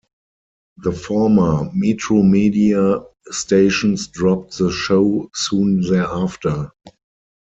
The former Metromedia stations dropped the show soon thereafter.